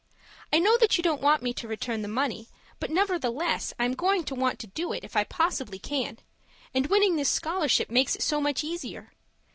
I know that you don't want me to return the money, but nevertheless, I am going to want to do it, if I possibly can; and winning this scholarship makes it so much easier.